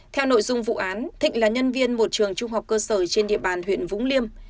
theo nội dung vụ án thịnh là nhân viên một trường trung học cơ sở trên địa bàn huyện vũng liêm